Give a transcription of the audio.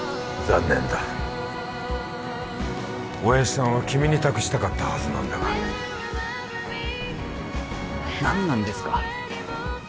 残念だ親父さんは君に託したかったはずなんだが何なんですか？